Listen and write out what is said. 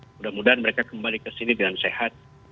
mudah mudahan mereka kembali kesini dengan sehat